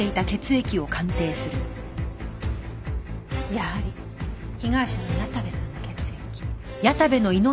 やはり被害者の矢田部さんの血液。